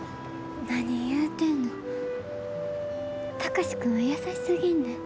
何言うてんの貴司君は優しすぎんねん。